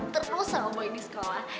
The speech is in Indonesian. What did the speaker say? terus sama boy di sekolah